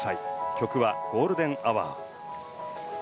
曲は「ゴールデン・アワー」。